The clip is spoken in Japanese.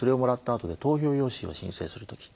あと投票用紙を申請する時。